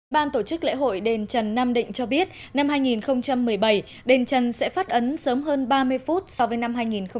ban tổ chức lễ hội đền trần nam định cho biết năm hai nghìn một mươi bảy đền trần sẽ phát ấn sớm hơn ba mươi phút so với năm hai nghìn một mươi bảy